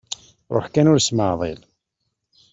Ruḥ kan ur smeεḍil.